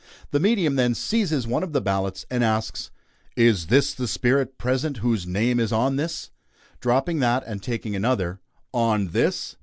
The medium then seizes one of the "ballots," and asks: "Is the spirit present whose name is on this?" Dropping that and taking another: "On this?"